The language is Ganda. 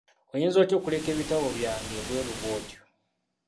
Oyinza otya okuleka ebitabo byange ebweeru bwotyo?